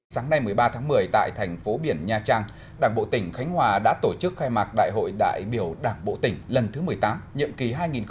sáng nay một mươi ba tháng một mươi tại thành phố biển nha trang đảng bộ tỉnh khánh hòa đã tổ chức khai mạc đại hội đại biểu đảng bộ tỉnh lần thứ một mươi tám nhiệm kỳ hai nghìn hai mươi hai nghìn hai mươi năm